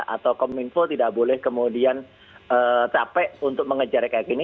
atau kominfo tidak boleh kemudian capek untuk mengejar kayak gini